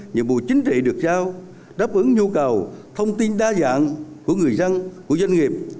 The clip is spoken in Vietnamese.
nhiệm vụ chính trị được giao đáp ứng nhu cầu thông tin đa dạng của người dân của doanh nghiệp